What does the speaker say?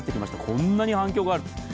こんなに反響があるとは。